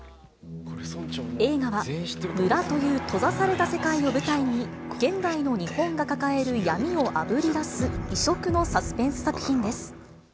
映画は、村という閉ざされた世界を舞台に、現代の日本が抱える闇をあぶり出す異色のサスペンス作品です。